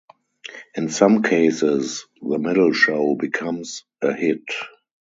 In some cases, the middle show becomes a hit.